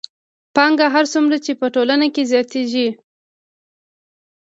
پانګه هر څومره چې په ټولنه کې زیاتېږي